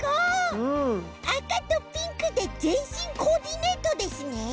あかとピンクでぜんしんコーディネートですね。